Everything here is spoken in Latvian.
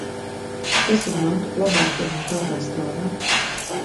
Kas ir mantu glabātuve un kā tā strādā?